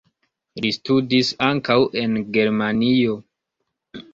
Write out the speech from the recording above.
Li studis ankaŭ en Germanio.